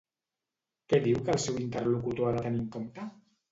Què diu que el seu interlocutor ha de tenir en compte?